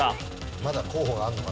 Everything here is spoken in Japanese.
まだ候補があるのかな？